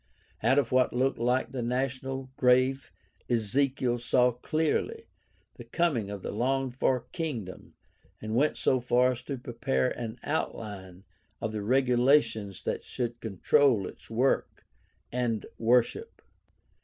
Out of what looked like the national grave Ezekiel saw clearly the coming of the longed for kingdom and went so far as to prepare an outline of the regulations that should control its work and worship.